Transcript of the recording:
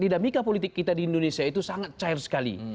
dinamika politik kita di indonesia itu sangat cair sekali